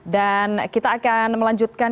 dan kita akan melanjutkan